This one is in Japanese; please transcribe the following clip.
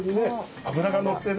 脂がのってね。